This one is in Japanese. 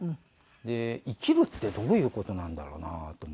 で生きるってどういう事なんだろうな？と思っていて。